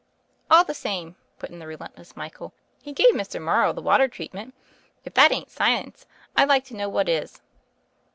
"All the same," put in the relentless Michael, "he gave Mr. Morrow the water treatment. If that ain't science I like to know what is."